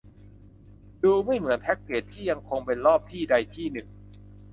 ดูไม่เหมือนแพคเกจที่ยังคงเป็นรอบที่ใดที่หนึ่ง